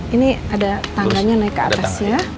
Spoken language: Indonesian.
ini ada tangganya naik ke atas ya